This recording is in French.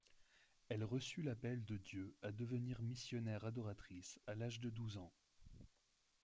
Elle reçut l'appel de Dieu à devenir missionnaire adoratrice à l'âge de douze ans.